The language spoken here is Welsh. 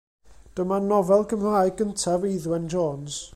Dyma nofel Gymraeg gyntaf Eiddwen Jones.